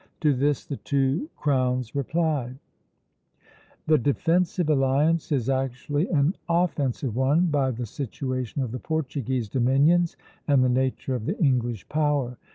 To this the two crowns replied: "The defensive alliance is actually an offensive one by the situation of the Portuguese dominions and the nature of the English power.